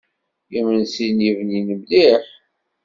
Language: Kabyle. Imensi-nni bnin mliḥ.